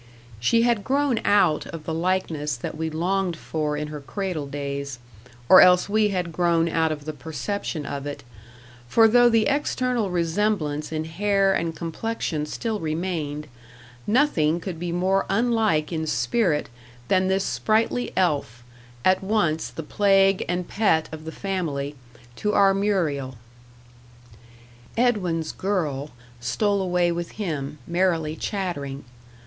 She had grown out of the likeness that we longed for in her cradle days, or else we had grown out of the perception of it; for though the external resemblance in hair and complexion still remained, nothing could be more unlike in spirit than this sprightly elf, at once the plague and pet of the family to our Muriel. "Edwin's girl" stole away with him, merrily chattering.